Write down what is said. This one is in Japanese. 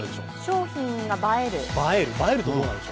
商品が映える。